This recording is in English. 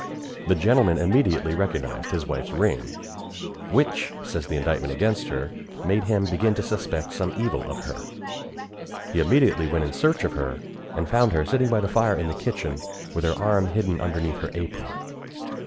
The gentleman immediately recognised his wife's ring, "which," says the indictment against her, "made him begin to suspect some evil of her." He immediately went in search of her, and found her sitting by the fire in the kitchen, with her arm hidden underneath her apron.